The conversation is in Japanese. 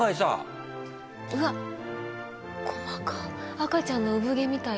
赤ちゃんの産毛みたい。